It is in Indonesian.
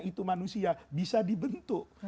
itu manusia bisa dibentuk